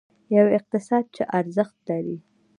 یو اقتصاد چې ارزښت لري.